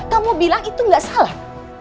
kamu bilang itu gak salah